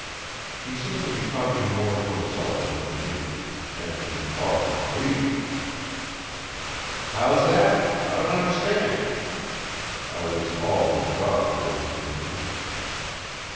He seemed to be talking more to himself than to me, and to be far from pleased. "How's that? I don't understand." I was all in the dark over his musings.